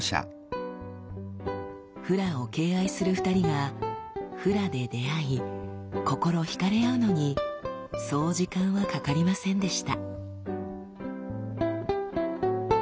フラを敬愛する２人がフラで出会い心惹かれ合うのにそう時間はかかりませんでした。